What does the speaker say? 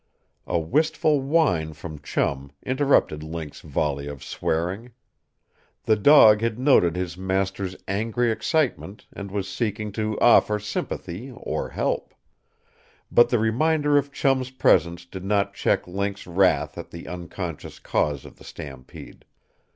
A wistful whine from Chum interrupted Link's volley of swearing. The dog had noted his master's angry excitement and was seeking to offer sympathy or help. But the reminder of Chum's presence did not check Link's wrath at the unconscious cause of the stampede.